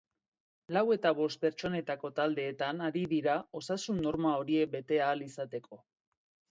Lau eta bost pertsonetako taldeetan ari dira osasun-norma horiek bete ahal izateko.